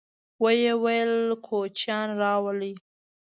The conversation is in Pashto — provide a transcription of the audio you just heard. ويې ويل: کوچيان راولئ!